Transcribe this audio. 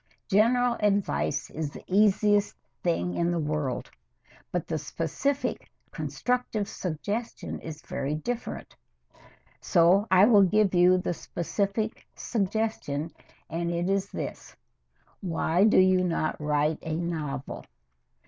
General advice is the easiest thing in the world, but the specific, constructive suggestion is very different. So I will give you the specific suggestion, and it is this: Why do you not write a novel?